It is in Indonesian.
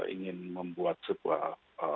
ingin membuat sebuah